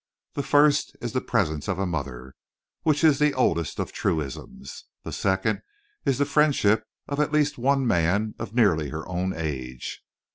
The first is the presence of a mother, which is the oldest of truisms; the second is the friendship of at least one man of nearly her own age.